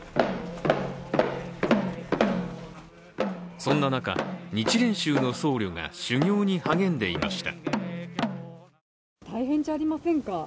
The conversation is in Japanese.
そんな中、日蓮宗の僧侶が修行に励んでいました。